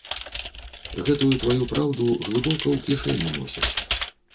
Гэтую тваю праўду глыбока ў кішэні носяць.